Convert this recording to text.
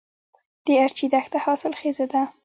د ارچي دښته حاصلخیزه ده